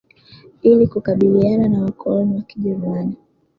ili kukabiliana na wakoloni wa kijerumani